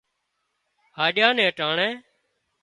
هينڏيا نين ٽانڻي